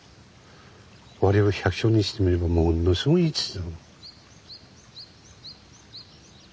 俺ら百姓にしてみればものすごいいい土だ。